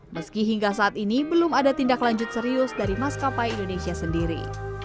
meski hingga saat ini belum ada tindak lanjut serius dari maskapai indonesia sendiri